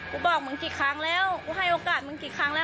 บอกมึงกี่ครั้งแล้วกูให้โอกาสมึงกี่ครั้งแล้ว